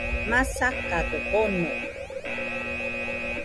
Masakado bono